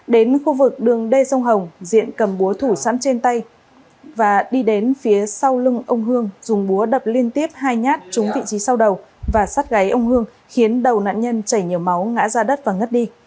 đến khu vực đường đê sông hồng diện cầm búa thủ sẵn trên tay và đi đến phía sau lưng ông hương dùng búa đập liên tiếp hai nhát trúng vị trí sau đầu và sắt gáy ông hương khiến đầu nạn nhân chảy nhiều máu ngã ra đất và ngất đi